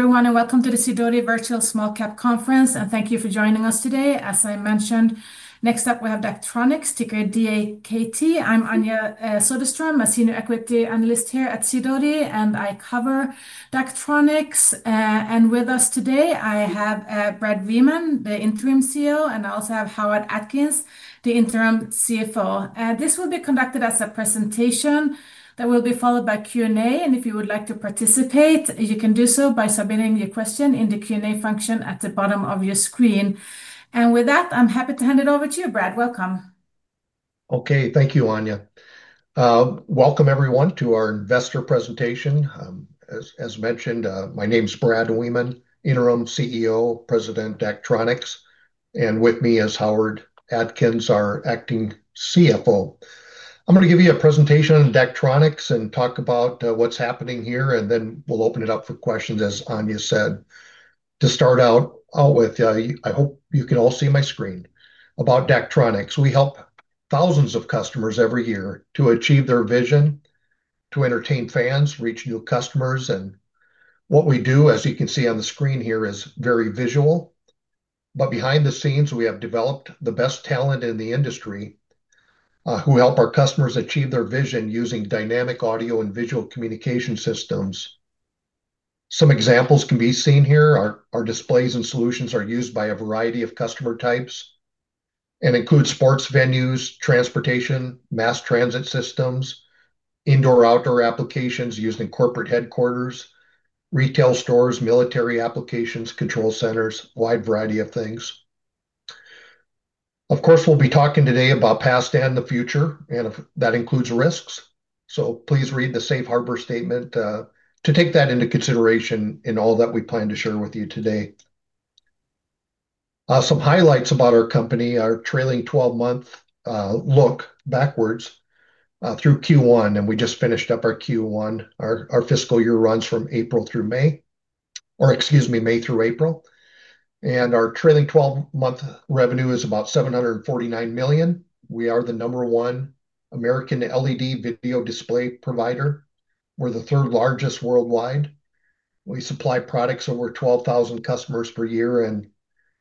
Everyone, and welcome to the Sidoti Virtual Small Cap Conference. Thank you for joining us today. As I mentioned, next up we have Daktronics, ticker DAKT. I'm Anja Soderström, a Senior Equity Analyst here at Sidoti, and I cover Daktronics. With us today, I have Brad Wiemann, the Interim CEO, and I also have Howard Atkins, the Interim CFO. This will be conducted as a presentation that will be followed by Q&A. If you would like to participate, you can do so by submitting your question in the Q&A function at the bottom of your screen. With that, I'm happy to hand it over to you, Brad. Welcome. Okay, thank you, Anja. Welcome, everyone, to our investor presentation. As mentioned, my name is Brad Wiemann, Interim CEO, President, Daktronics. With me is Howard Atkins, our Acting CFO. I'm going to give you a presentation on Daktronics and talk about what's happening here, then we'll open it up for questions, as Anja said. To start out with, I hope you can all see my screen. About Daktronics, we help thousands of customers every year to achieve their vision, to entertain fans, reach new customers. What we do, as you can see on the screen here, is very visual. Behind the scenes, we have developed the best talent in the industry who help our customers achieve their vision using dynamic audio and visual communication systems. Some examples can be seen here. Our displays and solutions are used by a variety of customer types and include sports venues, transportation, mass transit systems, indoor/outdoor applications used in corporate headquarters, retail stores, military applications, control centers, a wide variety of things. Of course, we'll be talking today about past and the future, and that includes risks. Please read the safe harbor statement to take that into consideration in all that we plan to share with you today. Some highlights about our company: our trailing 12-month look backwards through Q1. We just finished up our Q1. Our fiscal year runs from May through April. Our trailing 12-month revenue is about $749 million. We are the number one American LED video display provider. We're the third largest worldwide. We supply products to over 12,000 customers per year, and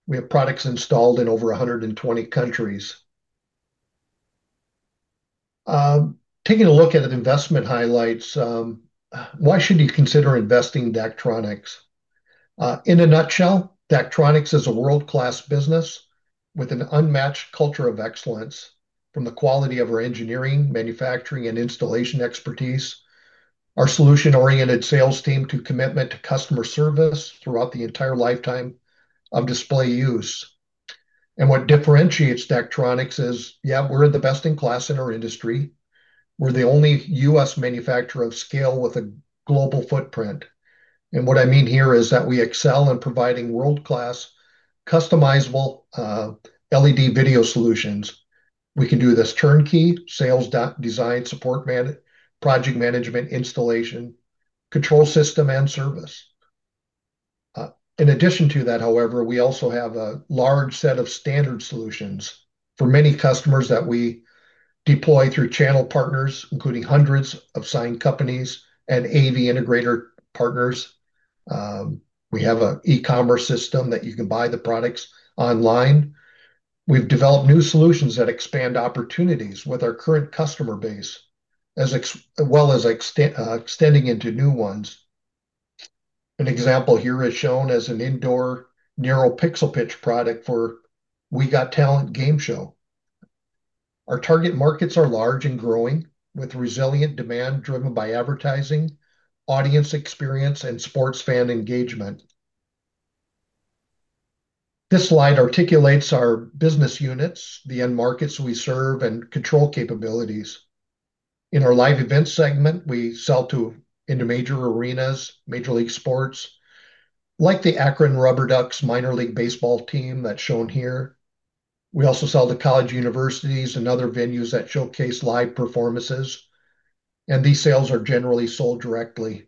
we have products installed in over 120 countries. Taking a look at investment highlights, why should you consider investing in Daktronics? In a nutshell, Daktronics is a world-class business with an unmatched culture of excellence from the quality of our engineering, manufacturing, and installation expertise, our solution-oriented sales team, to commitment to customer service throughout the entire lifetime of display use. What differentiates Daktronics is, yeah, we're the best in class in our industry. We're the only U.S. manufacturer of scale with a global footprint. What I mean here is that we excel in providing world-class, customizable LED video solutions. We can do this turnkey, sales design, support, managed project management, installation, control system, and service. In addition to that, however, we also have a large set of standard solutions for many customers that we deploy through channel partners, including hundreds of sign companies and AV integrator partners. We have an e-commerce system that you can buy the products online. We've developed new solutions that expand opportunities with our current customer base, as well as extending into new ones. An example here is shown as an indoor Narrow Pixel Pitch product for We Got Talent game show. Our target markets are large and growing, with resilient demand driven by advertising, audience experience, and sports fan engagement. This slide articulates our business units, the end markets we serve, and control capabilities. In our live events segment, we sell to major arenas, Major League sports, like the Akron RubberDucks Minor League Baseball team that's shown here. We also sell to college universities and other venues that showcase live performances. These sales are generally sold directly.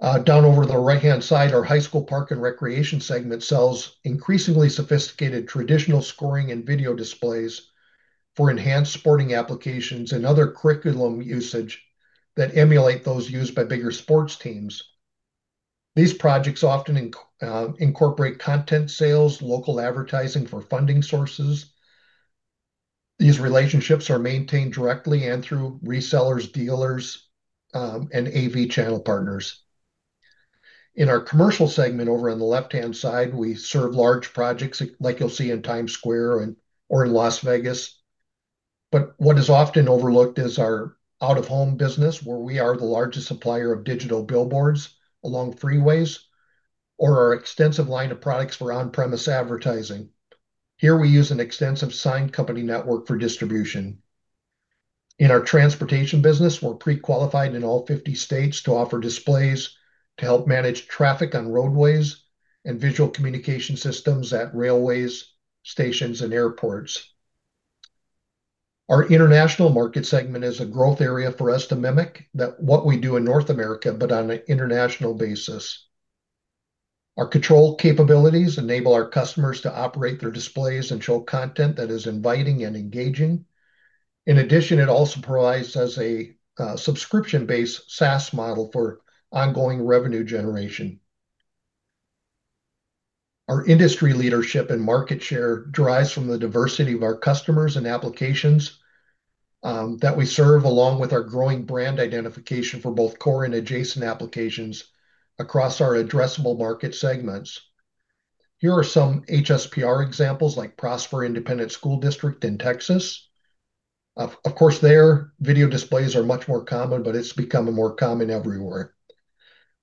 Down over the right-hand side, our high school park and recreation segment sells increasingly sophisticated traditional scoring and video displays for enhanced sporting applications and other curriculum usage that emulate those used by bigger sports teams. These projects often incorporate content sales, local advertising for funding sources. These relationships are maintained directly and through resellers, dealers, and AV channel partners. In our commercial segment over on the left-hand side, we serve large projects like you'll see in Times Square or in Las Vegas. What is often overlooked is our out-of-home business, where we are the largest supplier of digital billboards along freeways or our extensive line of products for on-premise advertising. Here, we use an extensive sign company network for distribution. In our transportation business, we're pre-qualified in all 50 states to offer displays to help manage traffic on roadways and visual communication systems at railways, stations, and airports. Our international market segment is a growth area for us to mimic what we do in North America, but on an international basis. Our control capabilities enable our customers to operate their displays and show content that is inviting and engaging. In addition, it also provides us a subscription-based SaaS model for ongoing revenue generation. Our industry leadership and market share derives from the diversity of our customers and applications that we serve, along with our growing brand identification for both core and adjacent applications across our addressable market segments. Here are some HSPR examples, like Prosper Independent School District in Texas. Of course, their video displays are much more common, but it's becoming more common everywhere.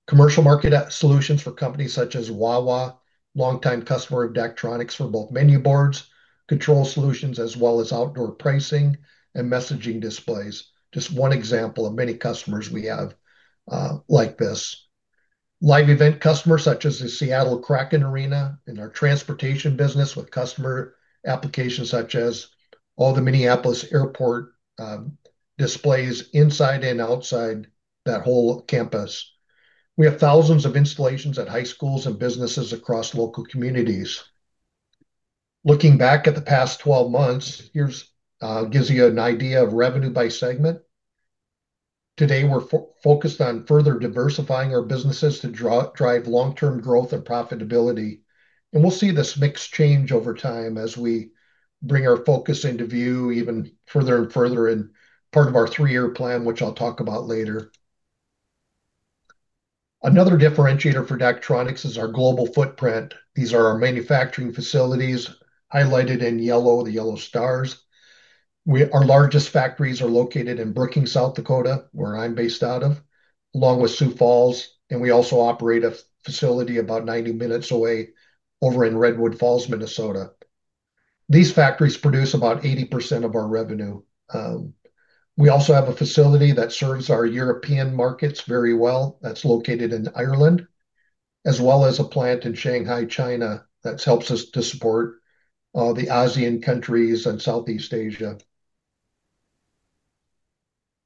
Commercial market solutions for companies such as Wawa, long-time customer of Daktronics for both menu boards, control solutions, as well as outdoor pricing and messaging displays. Just one example of many customers we have like this. Live event customers such as the Seattle Kraken Arena in our transportation business with customer applications such as all the Minneapolis Airport displays inside and outside that whole campus. We have thousands of installations at high schools and businesses across local communities. Looking back at the past 12 months, this gives you an idea of revenue by segment. Today, we're focused on further diversifying our businesses to drive long-term growth and profitability. We'll see this mix change over time as we bring our focus into view even further and further in part of our three-year plan, which I'll talk about later. Another differentiator for Daktronics is our global footprint. These are our manufacturing facilities highlighted in yellow, the yellow stars. Our largest factories are located in Brookings, South Dakota, where I'm based out of, along with Sioux Falls. We also operate a facility about 90 minutes away over in Redwood Falls, Minnesota. These factories produce about 80% of our revenue. We also have a facility that serves our European markets very well that's located in Ireland, as well as a plant in Shanghai, China, that helps us to support all the ASEAN countries and Southeast Asia.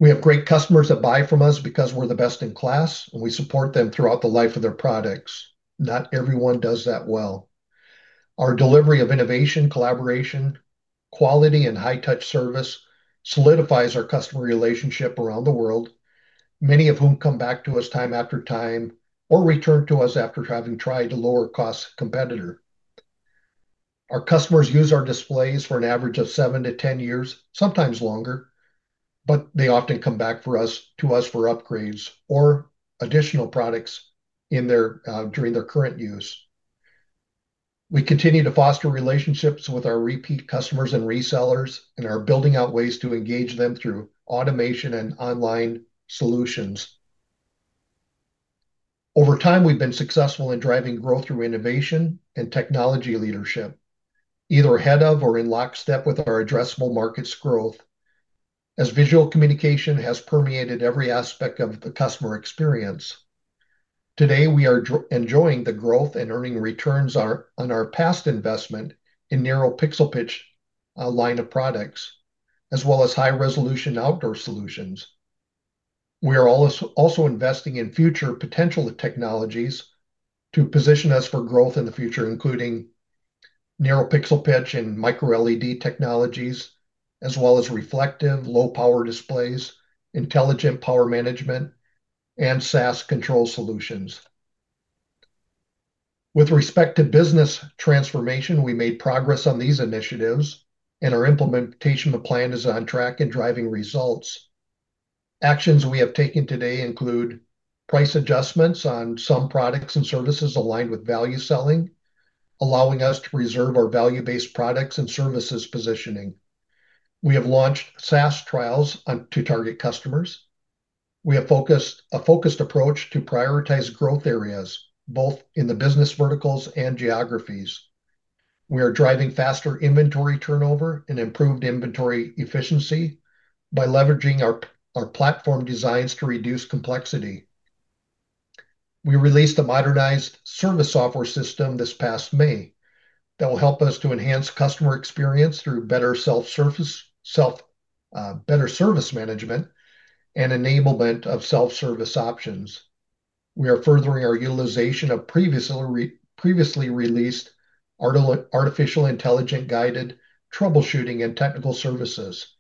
We have great customers that buy from us because we're the best in class, and we support them throughout the life of their products. Not everyone does that well. Our delivery of innovation, collaboration, quality, and high-touch service solidifies our customer relationship around the world, many of whom come back to us time after time or return to us after having tried a lower-cost competitor. Our customers use our displays for an average of seven to 10 years, sometimes longer, but they often come back to us for upgrades or additional products during their current use. We continue to foster relationships with our repeat customers and resellers and are building out ways to engage them through automation and online solutions. Over time, we've been successful in driving growth through innovation and technology leadership, either ahead of or in lockstep with our addressable markets' growth, as visual communication has permeated every aspect of the customer experience. Today, we are enjoying the growth and earning returns on our past investment in Narrow Pixel Pitch line of products, as well as high-resolution outdoor solutions. We are also investing in future potential technologies to position us for growth in the future, including Narrow Pixel Pitch and microLED technologies, as well as reflective low-power displays, intelligent power management, and SaaS control solutions. With respect to business transformation, we made progress on these initiatives, and our implementation of the plan is on track and driving results. Actions we have taken today include price adjustments on some products and services aligned with value selling, allowing us to reserve our value-based products and services positioning. We have launched SaaS trials to target customers. We have a focused approach to prioritize growth areas, both in the business verticals and geographies. We are driving faster inventory turnover and improved inventory efficiency by leveraging our platform designs to reduce complexity. We released a modernized service software system this past May that will help us to enhance customer experience through better self-service management and enablement of self-service options. We are furthering our utilization of previously released AI-guided troubleshooting and technical services.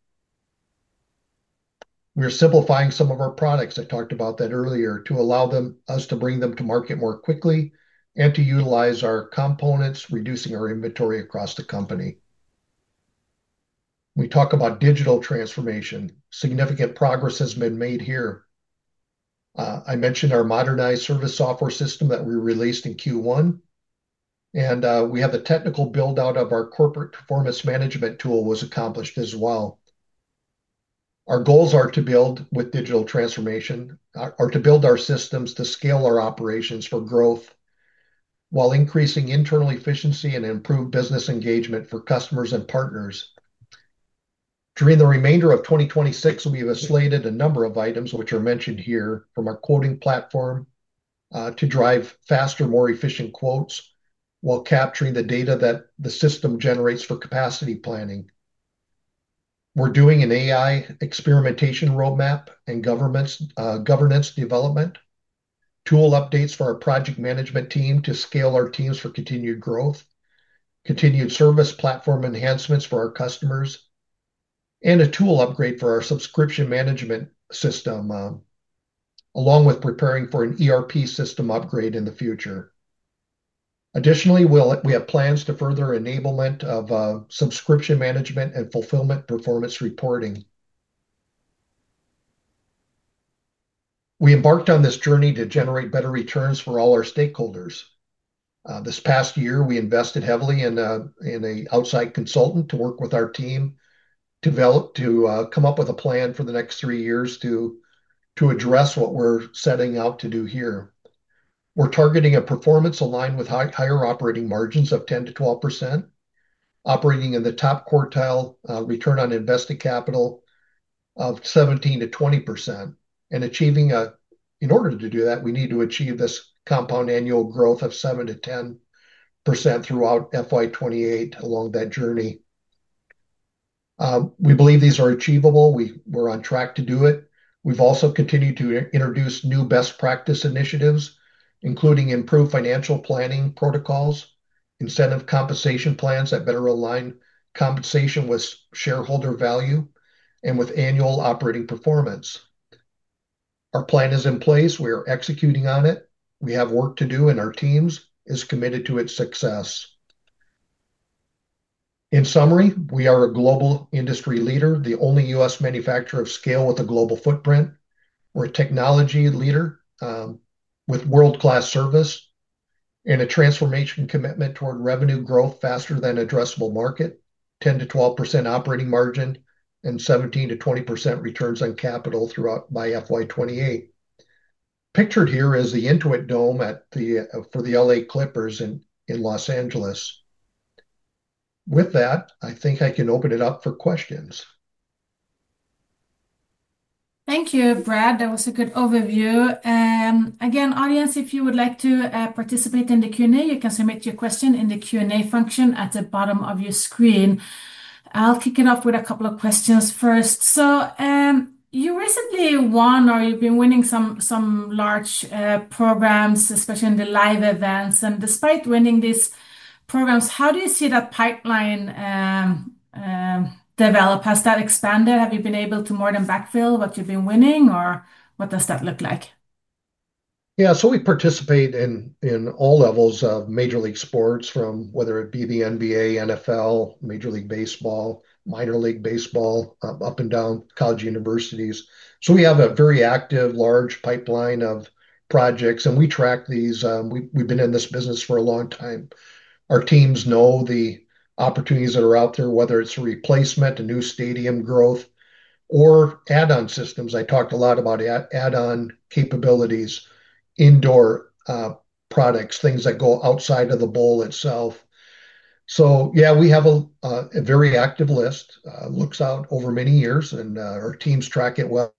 We are simplifying some of our products. I talked about that earlier to allow us to bring them to market more quickly and to utilize our components, reducing our inventory across the company. We talk about digital transformation. Significant progress has been made here. I mentioned our modernized service software system that we released in Q1, and we have the technical build-out of our corporate performance management tool was accomplished as well. Our goals are to build with digital transformation, are to build our systems to scale our operations for growth while increasing internal efficiency and improved business engagement for customers and partners. During the remainder of 2026, we have slated a number of items which are mentioned here from our quoting platform to drive faster, more efficient quotes while capturing the data that the system generates for capacity planning. We're doing an AI experimentation roadmap and governance development, tool updates for our project management team to scale our teams for continued growth, continued service platform enhancements for our customers, and a tool upgrade for our subscription management system, along with preparing for an ERP system upgrade in the future. Additionally, we have plans to further enablement of subscription management and fulfillment performance reporting. We embarked on this journey to generate better returns for all our stakeholders. This past year, we invested heavily in an outside consultant to work with our team to develop to come up with a plan for the next three years to address what we're setting out to do here. We're targeting a performance aligned with higher operating margins of 10%-12%, operating in the top quartile return on invested capital of 17%-20%. In order to do that, we need to achieve this compound annual growth of 7%-10% throughout FY 2028, along that journey. We believe these are achievable. We're on track to do it. We've also continued to introduce new best practice initiatives, including improved financial planning protocols, incentive compensation plans that better align compensation with shareholder value and with annual operating performance. Our plan is in place. We are executing on it. We have work to do, and our team is committed to its success. In summary, we are a global industry leader, the only U.S. manufacturer of scale with a global footprint. We're a technology leader with world-class service and a transformation commitment toward revenue growth faster than an addressable market, 10%-12% operating margin, and 17%-20% returns on capital throughout by FY 2028. Pictured here is the Intuit Dome for the L.A. Clippers in Los Angeles. With that, I think I can open it up for questions. Thank you, Brad. That was a good overview. Audience, if you would like to participate in the Q&A, you can submit your question in the Q&A function at the bottom of your screen. I'll kick it off with a couple of questions first. You recently won, or you've been winning some large programs, especially in the live events. Despite winning these programs, how do you see that pipeline develop? Has that expanded? Have you been able to more than backfill what you've been winning, or what does that look like? Yeah, we participate in all levels of Major League sports, whether it be the NBA, NFL, Major League Baseball, Minor League Baseball, up and down college universities. We have a very active large pipeline of projects, and we track these. We've been in this business for a long time. Our teams know the opportunities that are out there, whether it's a replacement, a new stadium growth, or add-on systems. I talked a lot about add-on capabilities, indoor products, things that go outside of the bowl itself. We have a very active list. It looks out over many years, and our teams track it well.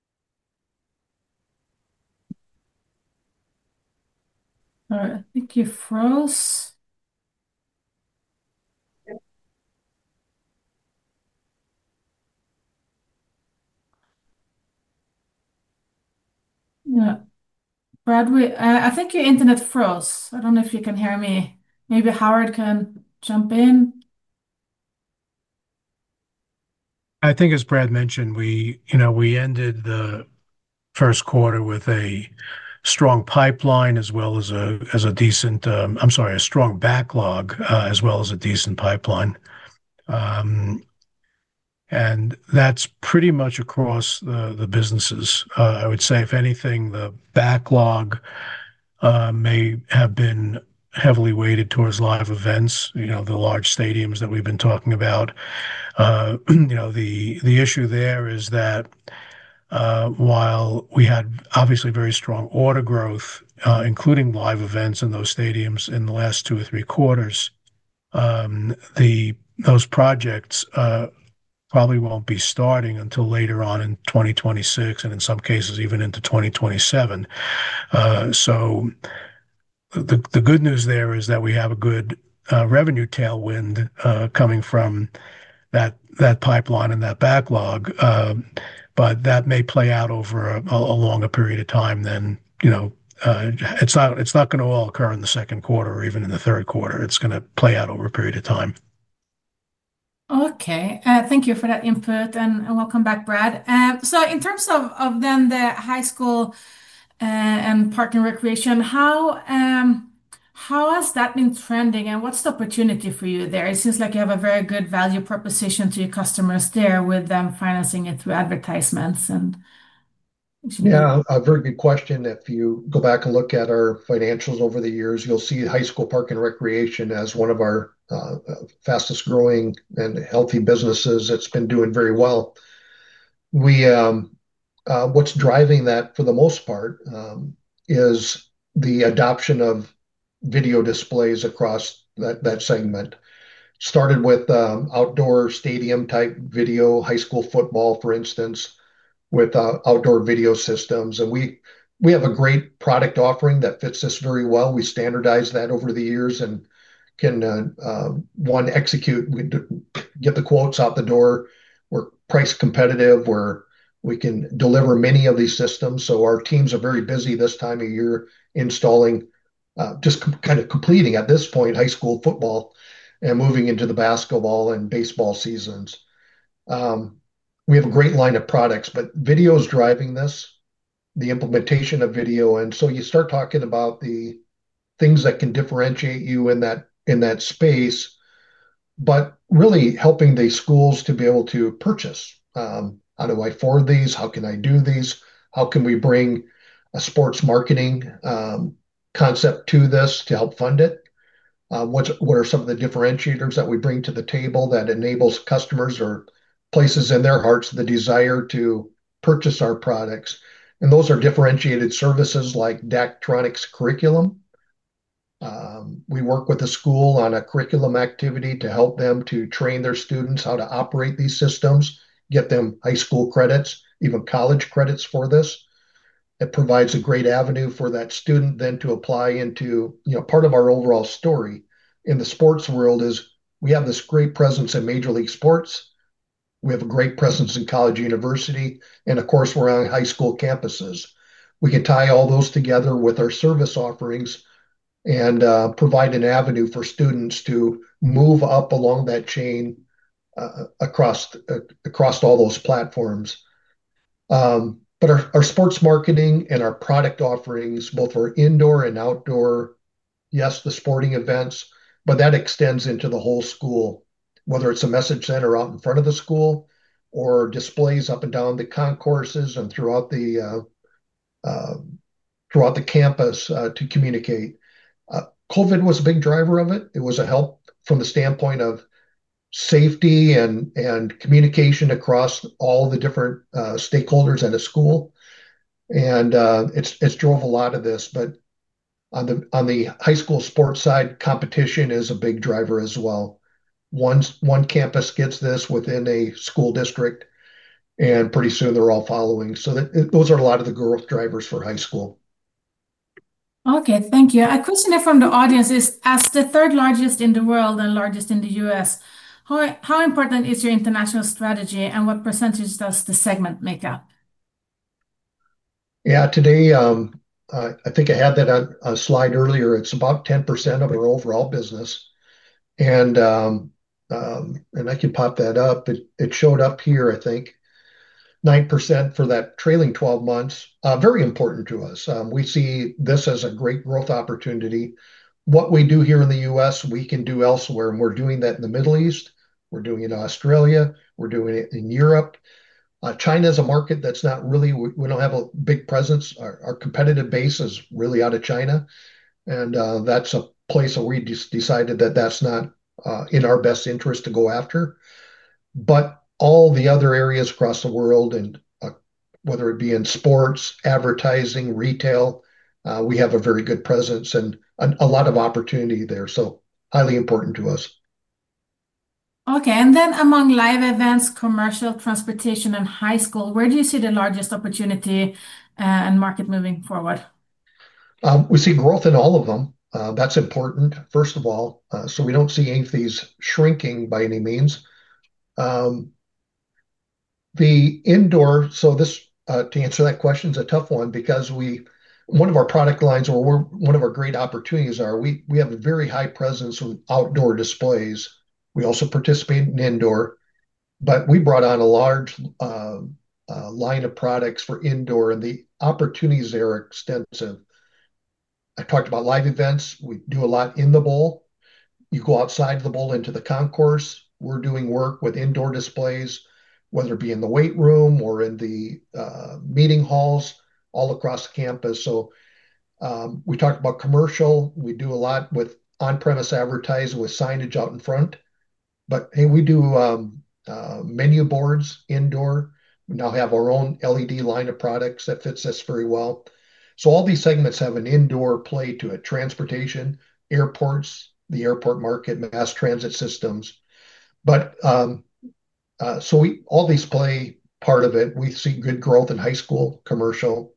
All right, I think you froze. Brad, I think your internet froze. I don't know if you can hear me. Maybe Howard can jump in. I think, as Brad mentioned, we ended the first quarter with a strong backlog as well as a decent pipeline. That's pretty much across the businesses. I would say, if anything, the backlog may have been heavily weighted towards live events, the large stadiums that we've been talking about. The issue there is that while we had obviously very strong order growth, including live events in those stadiums in the last two or three quarters, those projects probably won't be starting until later on in 2026 and in some cases even into 2027. The good news there is that we have a good revenue tailwind coming from that pipeline and that backlog. That may play out over a longer period of time; it's not going to all occur in the second quarter or even in the third quarter. It's going to play out over a period of time. Okay, thank you for that input. Welcome back, Brad. In terms of the high school and park and recreation, how has that been trending and what's the opportunity for you there? It seems like you have a very good value proposition to your customers there with them financing it through advertisements. Yeah, a very good question. If you go back and look at our financials over the years, you'll see high school park and recreation as one of our fastest growing and healthy businesses that's been doing very well. What's driving that for the most part is the adoption of video displays across that segment. Started with outdoor stadium type video, high school football, for instance, with outdoor video systems. We have a great product offering that fits this very well. We standardized that over the years and can, one, execute, get the quotes out the door. We're price competitive. We can deliver many of these systems. Our teams are very busy this time of year installing, just kind of completing at this point high school football and moving into the basketball and baseball seasons. We have a great line of products, but video is driving this, the implementation of video. You start talking about the things that can differentiate you in that space, but really helping the schools to be able to purchase. How do I afford these? How can I do these? How can we bring a sports marketing concept to this to help fund it? What are some of the differentiators that we bring to the table that enable customers or places in their hearts the desire to purchase our products? Those are differentiated services like Daktronics curriculum. We work with the school on a curriculum activity to help them to train their students how to operate these systems, get them high school credits, even college credits for this. It provides a great avenue for that student then to apply into part of our overall story in the sports world. We have this great presence in Major League sports. We have a great presence in college and university, and of course, we're on high school campuses. We can tie all those together with our service offerings and provide an avenue for students to move up along that chain across all those platforms. Our sports marketing and our product offerings, both for indoor and outdoor, yes, the sporting events, but that extends into the whole school, whether it's a message center out in front of the school or displays up and down the concourses and throughout the campus to communicate. COVID was a big driver of it. It was a help from the standpoint of safety and communication across all the different stakeholders in a school. It drove a lot of this, but on the high school sports side, competition is a big driver as well. One campus gets this within a school district, and pretty soon they're all following. Those are a lot of the growth drivers for high school. Okay, thank you. A question from the audience is, as the third largest in the world and largest in the U.S., how important is your international strategy, and what percentage does the segment make up? Yeah, today, I think I had that on a slide earlier. It's about 10% of our overall business. I can pop that up. It showed up here, I think, 9% for that trailing 12 months. Very important to us. We see this as a great growth opportunity. What we do here in the U.S., we can do elsewhere. We're doing that in the Middle East, we're doing it in Australia, we're doing it in Europe. China is a market that's not really, we don't have a big presence. Our competitive base is really out of China, and that's a place where we just decided that that's not in our best interest to go after. All the other areas across the world, whether it be in sports, advertising, retail, we have a very good presence and a lot of opportunity there. Highly important to us. Okay, among live events, commercial, transportation, and high school, where do you see the largest opportunity and market moving forward? We see growth in all of them. That's important, first of all. We don't see any of these shrinking by any means. The indoor, to answer that question is a tough one because one of our product lines or one of our great opportunities is we have a very high presence with outdoor displays. We also participate in indoor, but we brought on a large line of products for indoor, and the opportunities there are extensive. I talked about live events. We do a lot in the bowl. You go outside the bowl into the concourse. We're doing work with indoor displays, whether it be in the weight room or in the meeting halls all across the campus. We talked about commercial. We do a lot with on-premise advertising with signage out in front. We do menu boards indoor. We now have our own LED line of products that fits this very well. All these segments have an indoor play to it: transportation, airports, the airport market, mass transit systems. All these play part of it. We see good growth in high school, commercial,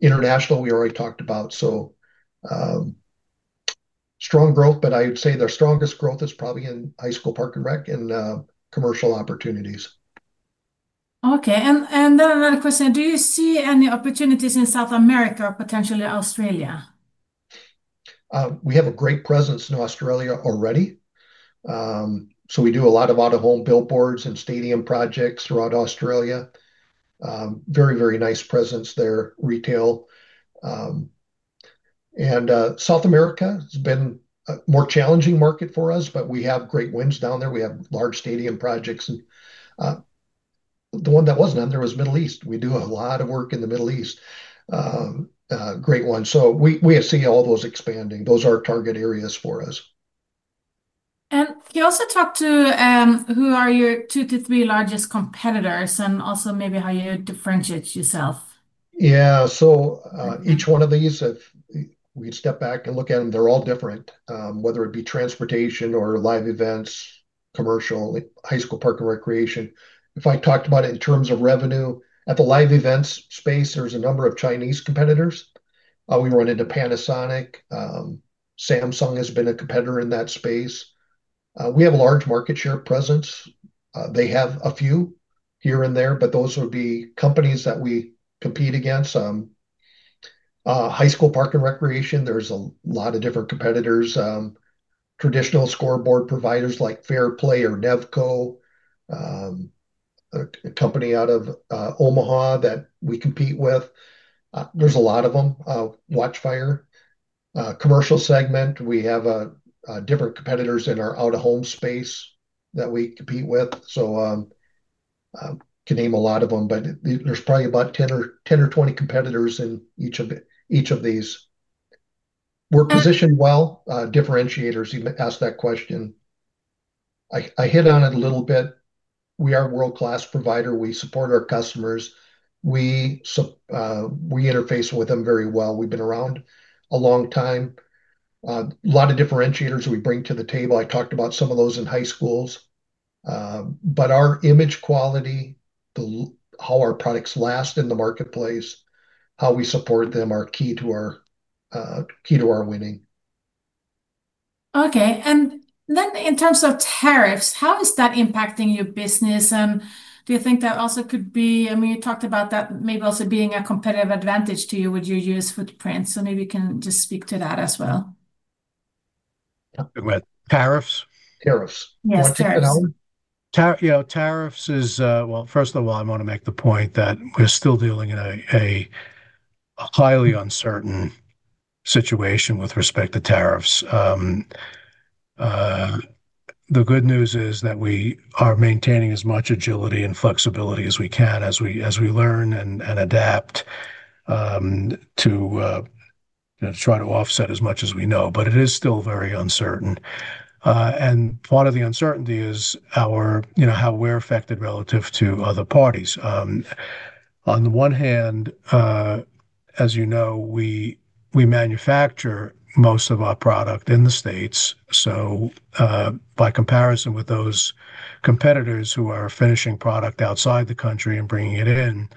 international, and we already talked about. Strong growth, but I would say the strongest growth is probably in high school park and rec and commercial opportunities. Okay, another question. Do you see any opportunities in South America or potentially Australia? We have a great presence in Australia already. We do a lot of out-of-home billboards and stadium projects throughout Australia. Very, very nice presence there, retail. South America has been a more challenging market for us, but we have great wins down there. We have large stadium projects. The one that wasn't in there was the Middle East. We do a lot of work in the Middle East. Great one. We have seen all those expanding. Those are our target areas for us. You also talked to who are your two to three largest competitors and also maybe how you differentiate yourself. Yeah, so each one of these, if we step back and look at them, they're all different, whether it be transportation or live events, commercial, high school park and recreation. If I talked about it in terms of revenue at the live events space, there's a number of Chinese competitors. We run into Panasonic. Samsung has been a competitor in that space. We have a large market share presence. They have a few here and there, but those would be companies that we compete against. High school park and recreation, there's a lot of different competitors. Traditional scoreboard providers like Fair-Play or Nevco, a company out of Omaha that we compete with. There's a lot of them. Watchfire, commercial segment, we have different competitors in our out-of-home space that we compete with. I can name a lot of them, but there's probably about 10 or 20 competitors in each of these. We're positioned well. Differentiators, you asked that question. I hit on it a little bit. We are a world-class provider. We support our customers. We interface with them very well. We've been around a long time. A lot of differentiators that we bring to the table. I talked about some of those in high schools. Our image quality, how our products last in the marketplace, how we support them are key to our winning. Okay, in terms of tariffs, how is that impacting your business? Do you think that also could be, I mean, you talked about that maybe also being a competitive advantage to you with your U.S. footprint. Maybe you can just speak to that as well. Yeah, good one. Tariffs. Tariffs. Yeah, tariffs is, first of all, I want to make the point that we're still dealing in a highly uncertain situation with respect to tariffs. The good news is that we are maintaining as much agility and flexibility as we can as we learn and adapt to try to offset as much as we know. It is still very uncertain. Part of the uncertainty is our, you know, how we're affected relative to other parties. On the one hand, as you know, we manufacture most of our product in the U.S. By comparison with those competitors who are finishing product outside the country and bringing it in,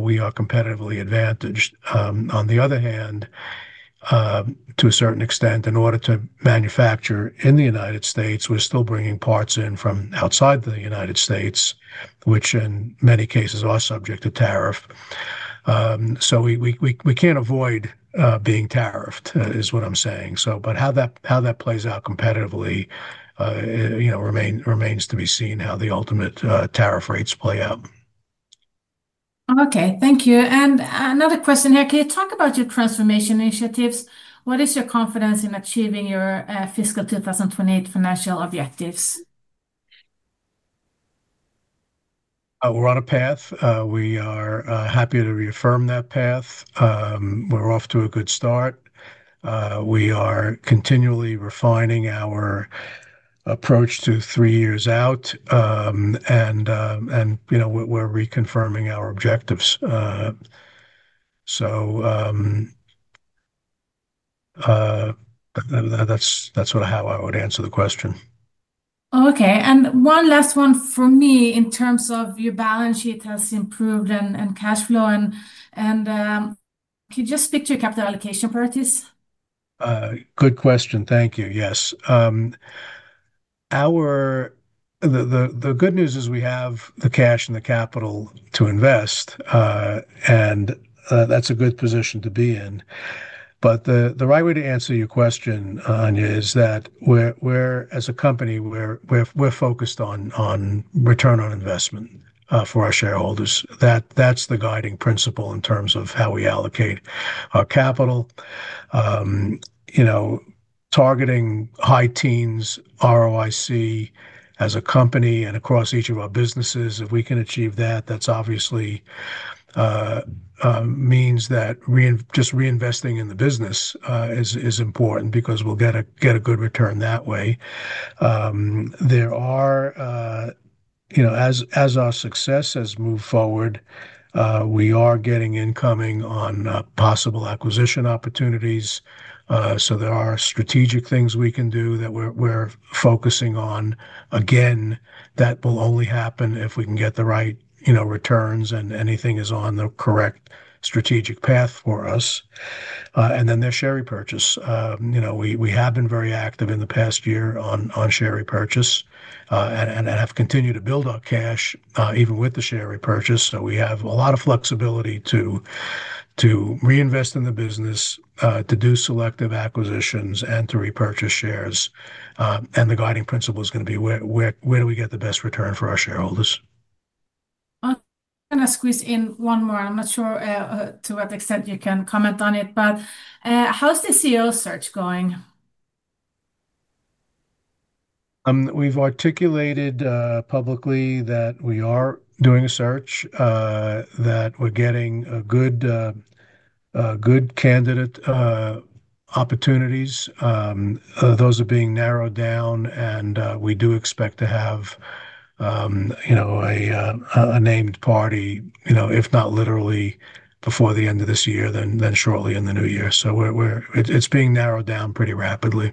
we are competitively advantaged. On the other hand, to a certain extent, in order to manufacture in the United States, we're still bringing parts in from outside the United States, which in many cases are subject to tariff. We can't avoid being tariffed, is what I'm saying. How that plays out competitively, you know, remains to be seen how the ultimate tariff rates play out. Okay, thank you. Another question here. Can you talk about your transformation initiatives? What is your confidence in achieving your fiscal 2028 financial objectives? We're on a path. We are happy to reaffirm that path. We're off to a good start. We are continually refining our approach to three years out, and we're reconfirming our objectives. That's sort of how I would answer the question. Okay, one last one from me in terms of your balance sheet has improved and cash flow. Can you just speak to your capital allocation priorities? Good question. Thank you. Yes. The good news is we have the cash and the capital to invest, and that's a good position to be in. The right way to answer your question, Anja, is that we're, as a company, we're focused on return on investment for our shareholders. That's the guiding principle in terms of how we allocate our capital. You know, targeting high teens, ROIC as a company and across each of our businesses, if we can achieve that, that obviously means that just reinvesting in the business is important because we'll get a good return that way. As our success has moved forward, we are getting incoming on possible acquisition opportunities. There are strategic things we can do that we're focusing on. Again, that will only happen if we can get the right returns and anything is on the correct strategic path for us. There's share repurchase. We have been very active in the past year on share repurchase and have continued to build on cash even with the share repurchase. We have a lot of flexibility to reinvest in the business, to do selective acquisitions, and to repurchase shares. The guiding principle is going to be where do we get the best return for our shareholders. I'm going to squeeze in one more. I'm not sure to what extent you can comment on it, but how's the CEO search going? We've articulated publicly that we are doing a search, that we're getting good candidate opportunities. Those are being narrowed down, and we do expect to have a named party, if not literally before the end of this year, then shortly in the new year. It's being narrowed down pretty rapidly.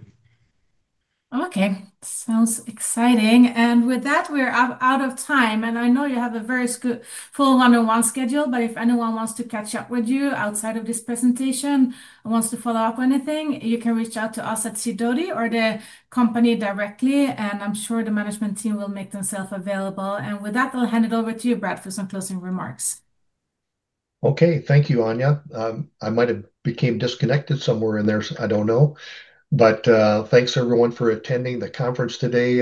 Okay, sounds exciting. With that, we're out of time. I know you have a very full one-on-one schedule, but if anyone wants to catch up with you outside of this presentation or wants to follow up on anything, you can reach out to us at CIdoti or the company directly, and I'm sure the management team will make themselves available. With that, I'll hand it over to you, Brad, for some closing remarks. Okay, thank you, Anja. I might have become disconnected somewhere in there, so I don't know. Thank you everyone for attending the conference today.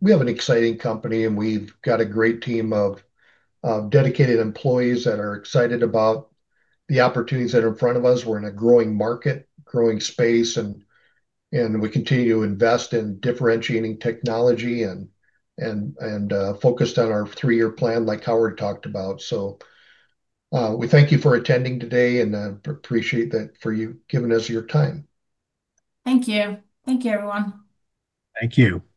We have an exciting company, and we've got a great team of dedicated employees that are excited about the opportunities that are in front of us. We're in a growing market, growing space, and we continue to invest in differentiating technology and focus on our three-year plan like Howard talked about. We thank you for attending today, and I appreciate that you are giving us your time. Thank you. Thank you, everyone. Thank you.